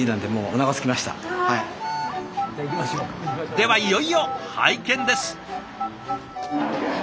ではいよいよ拝見です。